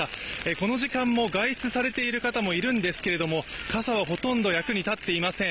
この時間も外出されている方もいるんですけれども傘はほとんど役に立っていません。